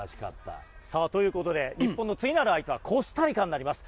ということで日本の次なる相手はコスタリカです。